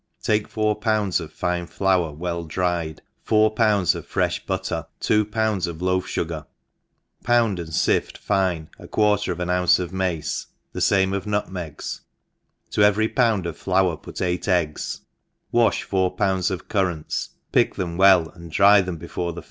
TAKE four pounds of fine flour well dried, four pounds of frefh butter, two pounds of loaf fugar, pound and lift fine a quarter of an ounce of mace the fame of nutmegS, to every, pound of flour put eiglit eggs, wafh four pounds of currants^ pick them well, and dry them before the ENGLISH HOUSE KEEPER.